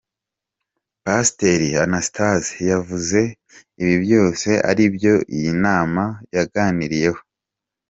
Pasiteri Anastase yavuze ibi byose aribyo iyi nama yaganiriyeho.